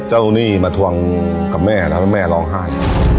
หนี้มาทวงกับแม่แล้วแม่ร้องไห้